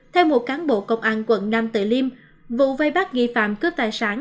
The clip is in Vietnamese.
theo một cán bộ công an quận nam tử liêm vụ vây bắt nghi phạm cướp tài sản